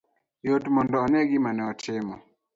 Yot mondo one gima ne otimo